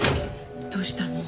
どうしたの？